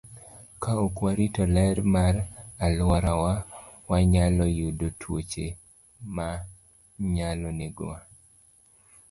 Ka ok warito ler mar alworawa, wanyalo yudo tuoche manyalo negowa.